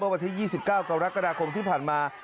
เมื่อกว่าที่๒๙กรกฎาคมที่ผ่านมา